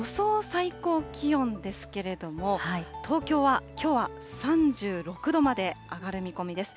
最高気温ですけれども、東京はきょうは３６度まで上がる見込みです。